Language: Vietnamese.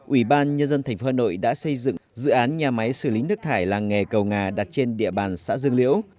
ủy ban nhân dân tp hà nội đã xây dựng dự án nhà máy xử lý nước thải làng nghề cầu nga đặt trên địa bàn xã dương liễu